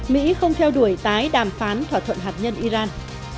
mỹ không theo đuổi tái đàm phán thỏa thuận hạt nhân iran